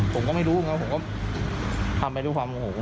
ผมก็ไม่รู้มีคนตะโกนบอกมาให้ผมไปห้องน้ำ